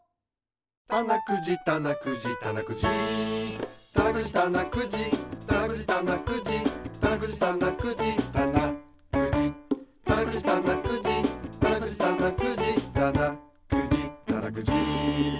たなくじたなくじたなくじたなくじたなくじたなくじたなくじたなくじたなくじたなくじたなくじたなくじたなくじたなくじたなくじたなくじ